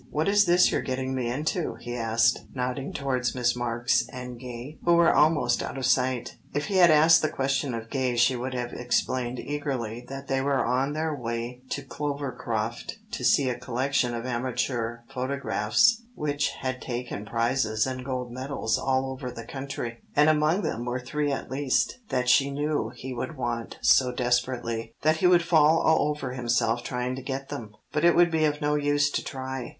"What is this you're getting me into?" he asked, nodding towards Miss Marks and Gay, who were almost out of sight. If he had asked the question of Gay she would have explained eagerly that they were on their way to Clovercroft, to see a collection of amateur photographs which had taken prizes and gold medals all over the country, and among them were three at least, that she knew he would want so desperately, that he would fall all over himself trying to get them. But it would be of no use to try.